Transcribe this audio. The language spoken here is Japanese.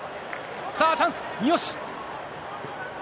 さあ、チャンス、三好。